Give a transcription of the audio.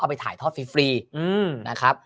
เอาไปถ่ายทอดฟรีฟรีนะครับ